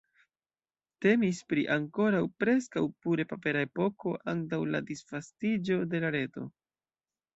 Temis pri ankoraŭ preskaŭ pure papera epoko antaŭ la disvastiĝo de la reto.